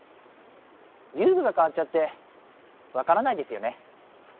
ゆうぐがかわっちゃってわからないですよね。